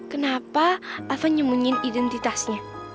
kenapa alvan nyemunyin identitasnya